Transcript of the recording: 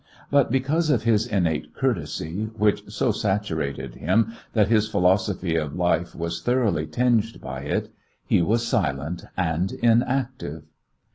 But because of his innate courtesy, which so saturated him that his philosophy of life was thoroughly tinged by it, he was silent and inactive.